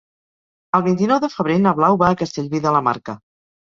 El vint-i-nou de febrer na Blau va a Castellví de la Marca.